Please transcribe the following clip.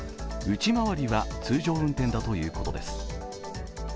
内回りは通常運転だということです。